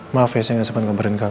maaf ya saya gak sempet ngobarin kamu